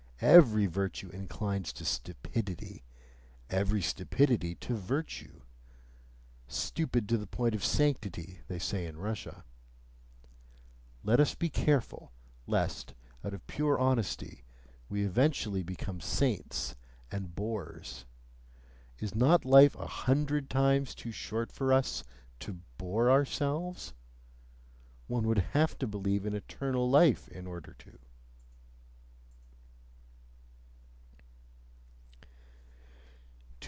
Every virtue inclines to stupidity, every stupidity to virtue; "stupid to the point of sanctity," they say in Russia, let us be careful lest out of pure honesty we eventually become saints and bores! Is not life a hundred times too short for us to bore ourselves? One would have to believe in eternal life in order to...